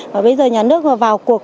bây giờ nhà nước vào